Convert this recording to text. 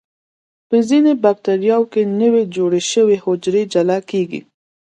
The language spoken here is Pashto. په ځینو بکټریاوو کې نوي جوړ شوي حجرې جلا کیږي.